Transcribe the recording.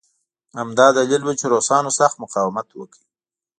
همدا دلیل و چې روسانو سخت مقاومت وکړ